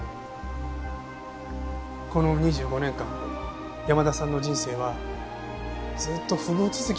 この２５年間山田さんの人生はずっと不遇続きでした。